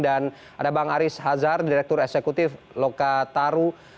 dan ada bang aris hazar direktur eksekutif lokataru